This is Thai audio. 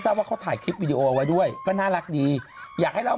ว่าเขาถ่ายคลิปวิดีโอเอาไว้ด้วยก็น่ารักดีอยากให้เรา